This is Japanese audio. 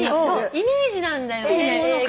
イメージなんだよね英語って。